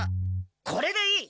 これでいい！